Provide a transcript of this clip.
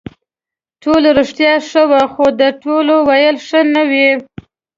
ټول رښتیا ښه وي خو د ټولو ویل ښه نه وي.